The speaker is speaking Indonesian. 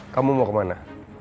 kamu mau kemana